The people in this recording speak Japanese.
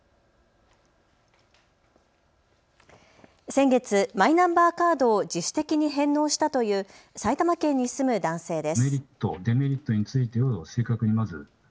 先月、マイナンバーカードを自主的に返納したという埼玉県に住む男性です。